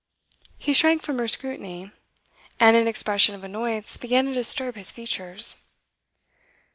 He shrank from her scrutiny, and an expression of annoyance began to disturb his features.